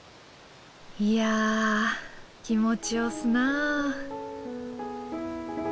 いや気持ちよぉおすなぁ。